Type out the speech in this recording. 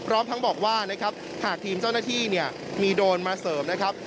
รอบทั้งบอกว่าหากทีมเจ้าหน้าที่มีโดนมาเสริมนะครับ